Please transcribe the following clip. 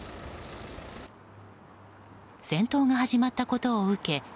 戦闘が始まったことを受け